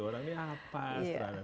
orangnya apa seterana